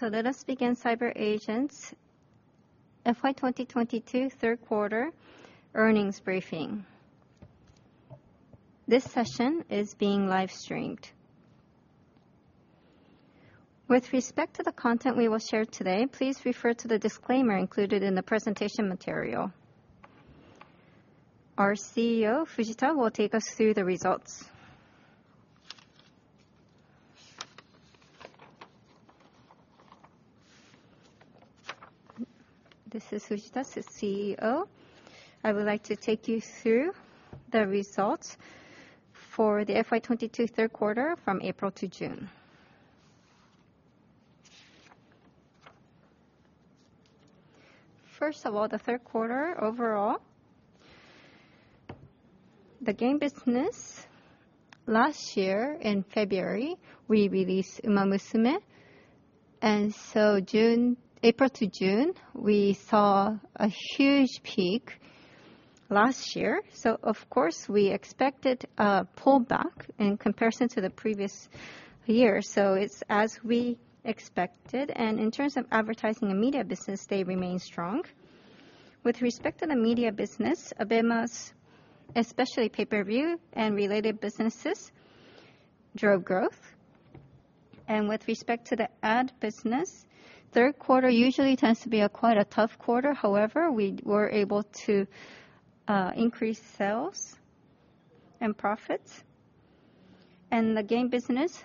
Let us begin CyberAgent's FY 2022 Third Quarter Earnings Briefing. This session is being live streamed. With respect to the content we will share today, please refer to the disclaimer included in the presentation material. Our CEO, Fujita, will take us through the results. This is Fujita, CEO. I would like to take you through the results for the FY 2022 third quarter from April to June. First of all, the third quarter overall. The game business, last year in February, we released Uma Musume. April to June, we saw a huge peak last year, so of course, we expected a pullback in comparison to the previous year. It's as we expected. In terms of advertising and media business, they remain strong. With respect to the media business, ABEMA's especially pay-per-view and related businesses, drove growth. With respect to the ad business, third quarter usually tends to be quite a tough quarter. However, we were able to increase sales and profits. The game business,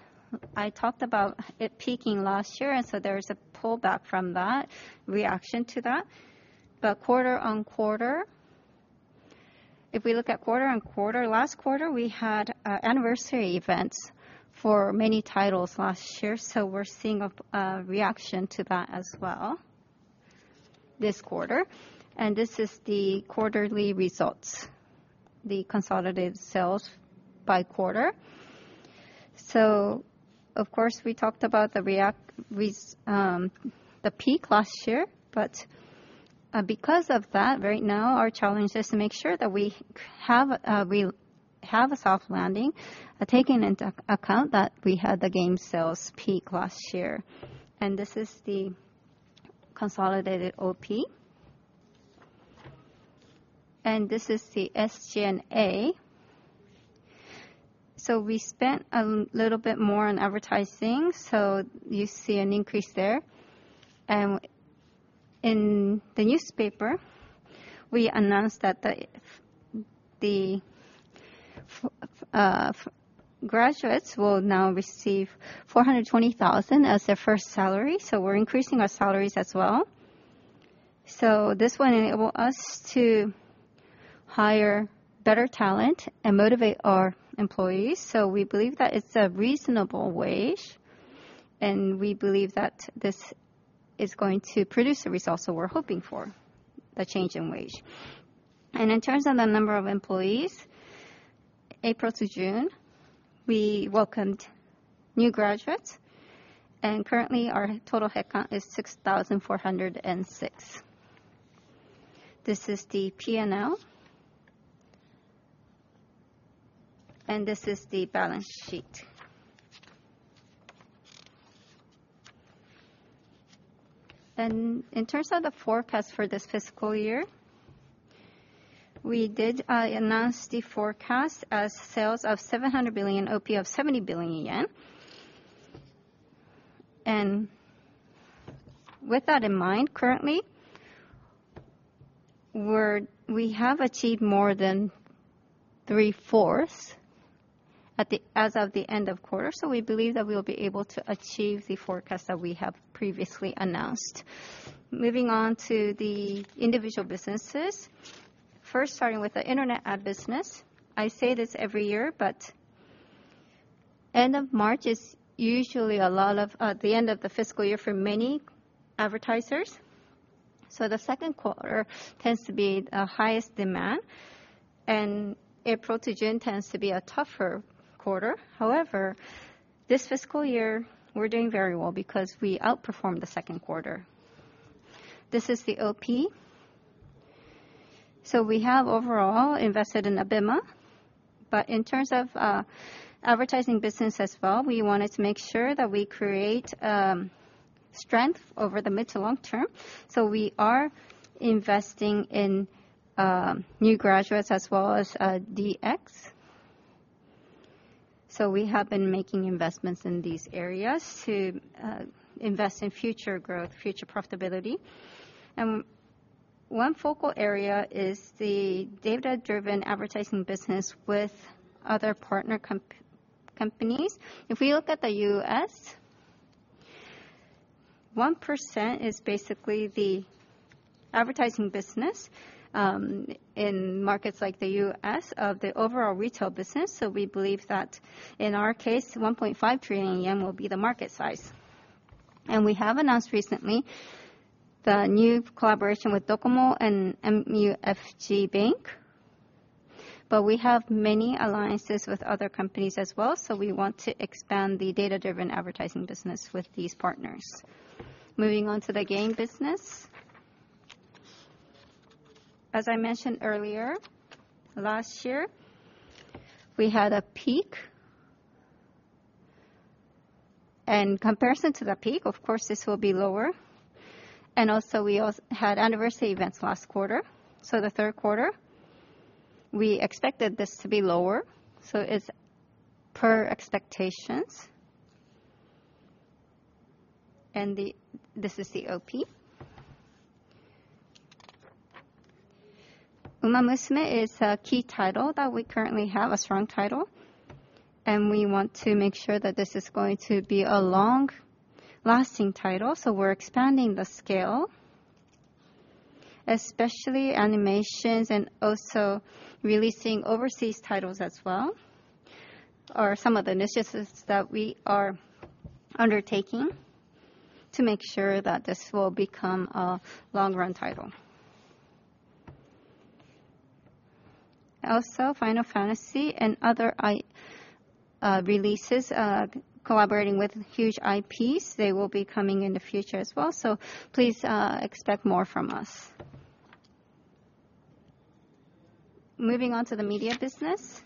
I talked about it peaking last year, and so there is a pullback from that, reaction to that. But quarter on quarter, if we look at quarter on quarter, last quarter, we had anniversary events for many titles last year. So we're seeing a reaction to that as well this quarter. This is the quarterly results, the consolidated sales by quarter. So of course, we talked about the peak last year. But because of that, right now our challenge is to make sure that we have a soft landing, taking into account that we had the game sales peak last year. This is the consolidated OP. This is the SG&A. We spent a little bit more on advertising, so you see an increase there. In the newspaper, we announced that the graduates will now receive 420,000 as their first salary, so we're increasing our salaries as well. This will enable us to hire better talent and motivate our employees. We believe that it's a reasonable wage, and we believe that this is going to produce the results that we're hoping for, the change in wage. In terms of the number of employees, April to June, we welcomed new graduates, and currently our total headcount is 6,406. This is the P&L. This is the balance sheet. In terms of the forecast for this fiscal year, we did announce the forecast as sales of 700 billion, OP of 70 billion yen. With that in mind, currently, we have achieved more than three-fourths as of the end of the quarter. We believe that we will be able to achieve the forecast that we have previously announced. Moving on to the individual businesses. First, starting with the internet ad business. I say this every year, but end of March is usually a lot of the end of the fiscal year for many advertisers. The second quarter tends to be the highest demand, and April to June tends to be a tougher quarter. However, this fiscal year we're doing very well because we outperformed the second quarter. This is the OP. We have overall invested in ABEMA, but in terms of, advertising business as well, we wanted to make sure that we create, strength over the mid to long term. We are investing in, new graduates as well as, DX. We have been making investments in these areas to, invest in future growth, future profitability. One focal area is the data-driven advertising business with other partner companies. If we look at the U.S., 1% is basically the advertising business, in markets like the U.S. of the overall retail business. We believe that in our case, 1.5 trillion yen will be the market size. We have announced recently the new collaboration with Docomo and MUFG Bank, but we have many alliances with other companies as well. We want to expand the data-driven advertising business with these partners. Moving on to the game business. As I mentioned earlier, last year we had a peak. In comparison to the peak, of course, this will be lower. Also, we had anniversary events last quarter. The third quarter, we expected this to be lower, so it's per expectations. This is the OP. Uma Musume is a key title that we currently have, a strong title, and we want to make sure that this is going to be a long lasting title, so we're expanding the scale, especially animations and also releasing overseas titles as well, are some of the initiatives that we are undertaking to make sure that this will become a long run title. Also, Final Fantasy and other releases, collaborating with huge IPs, they will be coming in the future as well. Please, expect more from us. Moving on to the media business.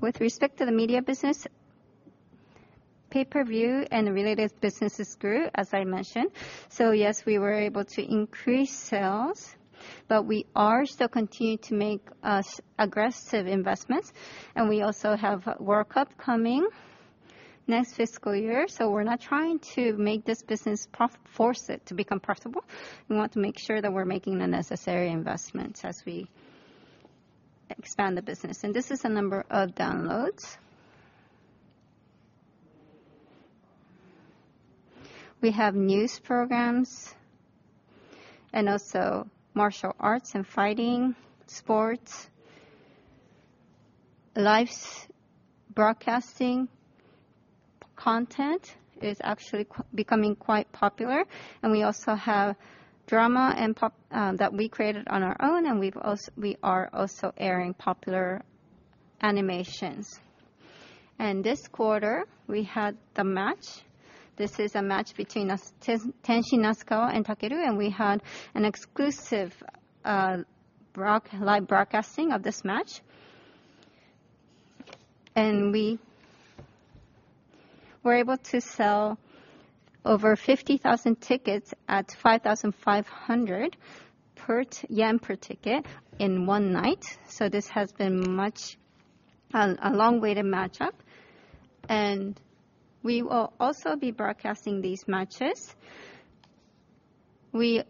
With respect to the media business, pay-per-view and related businesses grew, as I mentioned. Yes, we were able to increase sales, but we are still continuing to make aggressive investments. We also have World Cup coming next fiscal year. We're not trying to make this business force it to become profitable. We want to make sure that we're making the necessary investments as we expand the business. This is the number of downloads. We have news programs and also martial arts and fighting sports. Live broadcasting content is actually becoming quite popular, and we also have drama and pop that we created on our own. We are also airing popular animations. This quarter we had the match. This is a match between Tenshin Nasukawa and Takeru Segawa, and we had an exclusive live broadcasting of this match. We were able to sell over 50,000 tickets at 5,500 yen per ticket in one night. This has been a long way to match up. We will also be broadcasting these matches. We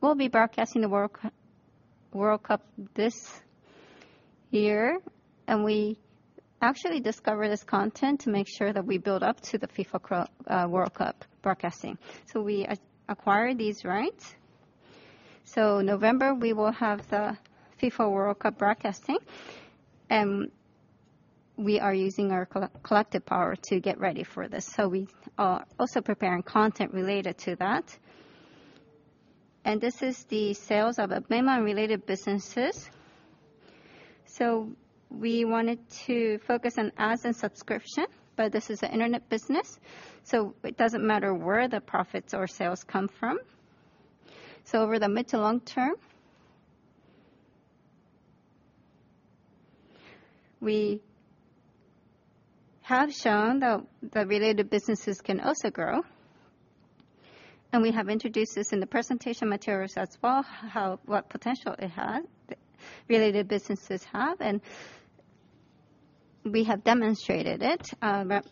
will be broadcasting the World Cup this year, and we actually discover this content to make sure that we build up to the FIFA World Cup broadcasting. We acquire these rights. November, we will have the FIFA World Cup broadcasting, and we are using our collective power to get ready for this. We are also preparing content related to that. This is the sales of ABEMA and related businesses. We wanted to focus on ads and subscription, but this is an internet business, so it doesn't matter where the profits or sales come from. Over the mid to long term, we have shown that the related businesses can also grow. We have introduced this in the presentation materials as well, what potential it has, related businesses have. We have demonstrated it,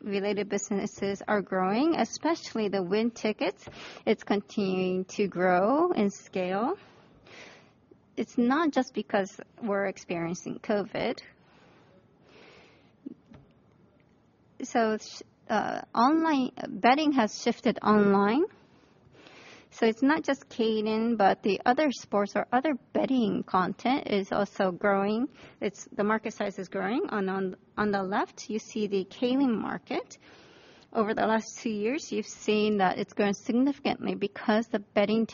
related businesses are growing, especially the WINTICKET. It's continuing to grow in scale. It's not just because we're experiencing COVID. Online betting has shifted online. It's not just Keirin, but the other sports or other betting content is also growing. It's the market size is growing. On the left, you see the Keirin market. Over the last two years, you've seen that it's grown significantly because betting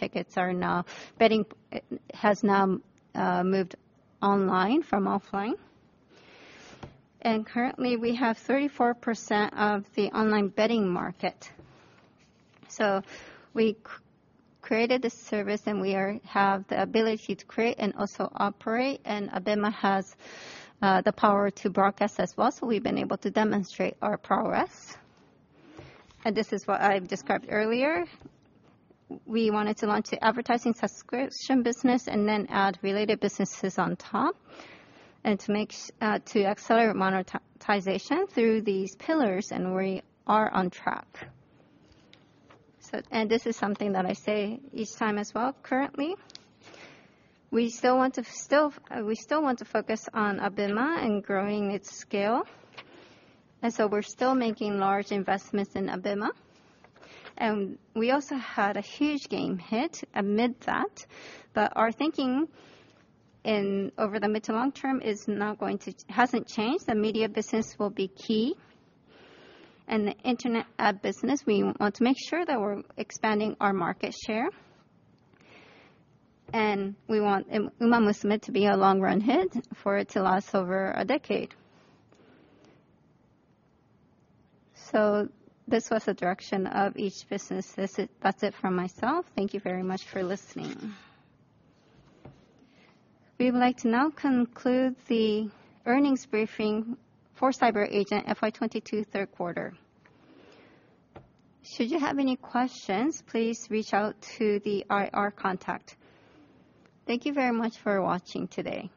has now moved online from offline. Currently, we have 34% of the online betting market. We created this service, and we have the ability to create and also operate. ABEMA has the power to broadcast as well. We've been able to demonstrate our progress. This is what I've described earlier. We wanted to launch an advertising subscription business and then add related businesses on top to accelerate monetization through these pillars, and we are on track. This is something that I say each time as well. Currently, we still want to focus on ABEMA and growing its scale. We're still making large investments in ABEMA. We also had a huge game hit amid that. Our thinking over the mid- to long-term hasn't changed. The media business will be key. The internet ad business, we want to make sure that we're expanding our market share. We want Uma Musume to be a long run hit for it to last over a decade. This was the direction of each business. That's it from myself. Thank you very much for listening. We would like to now conclude the earnings briefing for CyberAgent FY 2022 third quarter. Should you have any questions, please reach out to the IR contact. Thank you very much for watching today.